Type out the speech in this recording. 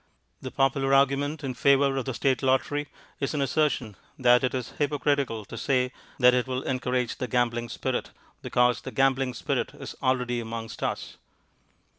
The popular argument in favour of the State Lottery is an assertion that it is hypocritical to say that it will encourage the gambling spirit, because the gambling spirit is already amongst us.